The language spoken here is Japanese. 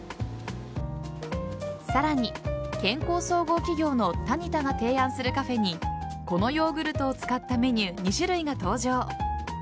さらに健康総合企業のタニタが提案するカフェにこのヨーグルトを使ったメニュー２種類が登場。